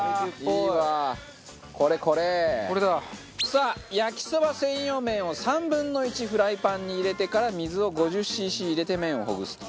さあ焼きそば専用麺を３分の１フライパンに入れてから水を５０シーシー入れて麺をほぐすと。